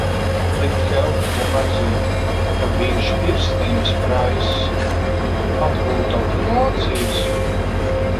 Likt Helbridžam atzīt, ka viņš ir Stīvs Praiss, un atgūt obligācijas?